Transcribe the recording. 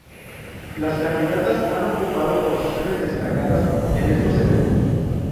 Las candidatas han ocupado posiciones destacadas en estos eventos.